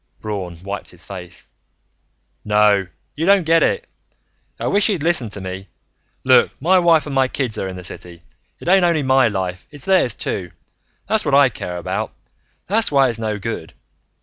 Braun wiped his face. "No. You don't get it. I wish you'd listen to me. Look, my wife and my kids are in the city. It ain't only my life, it's theirs, too. That's what I care about. That's why it's no good.